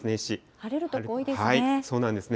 晴れる所、多いですね。